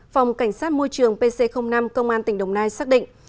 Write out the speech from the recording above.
phòng cảnh sát môi trường pc năm công an tỉnh đồng nai xác định